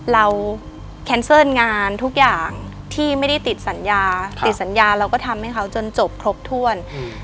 แคนเซิลงานทุกอย่างที่ไม่ได้ติดสัญญาติดสัญญาเราก็ทำให้เขาจนจบครบถ้วน